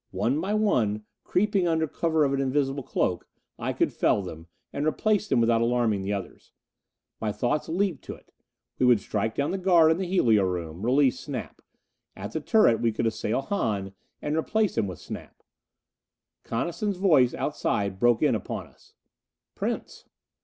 One by one, creeping under cover of an invisible cloak, I could fell them, and replace them without alarming the others. My thoughts leaped to it. We would strike down the guard in the helio room. Release Snap. At the turret we could assail Hahn, and replace him with Snap. Coniston's voice outside broke in upon us. "Prince."